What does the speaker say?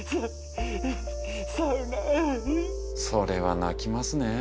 それは泣きますね。